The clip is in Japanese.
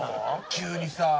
急にさ。